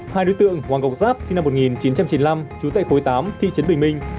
hai đối tượng hoàng ngọc giáp sinh năm một nghìn chín trăm chín mươi năm trú tại khối tám thị trấn bình minh